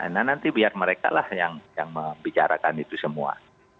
nah nanti biar mereka lah yang membicarakan itu semua